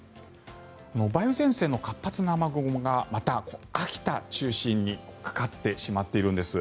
梅雨前線の活発な雨雲がまた秋田中心にかかってしまっているんです。